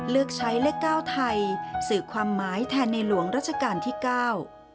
เลือกใช้เลขเก้าไทยสื่อความหมายแทนในหลวงรัชกาลที่เก้า